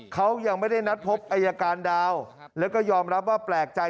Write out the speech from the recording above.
เขายังไม่ได้นัดพบอายการดาวแล้วก็ยอมรับว่าแปลกใจ